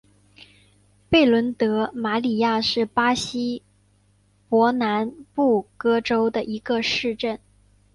贝伦德马里亚是巴西伯南布哥州的一个市镇。